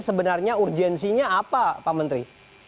sebenarnya urgensinya apa pak menteri